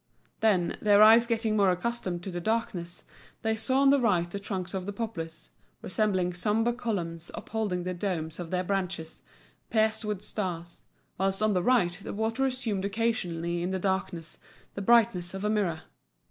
Then, their eyes getting more accustomed to the darkness, they saw on the right the trunks of the poplars, resembling sombre columns upholding the domes of their branches, pierced with stars; whilst on the right the water assumed occasionally in the darkness the brightness of a mirror.